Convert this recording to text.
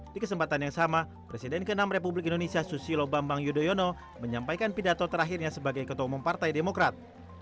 di kesempatan yang sama presiden ke enam republik indonesia susilo bambang yudhoyono menyampaikan pidato terakhirnya sebagai ketua umum partai demokrat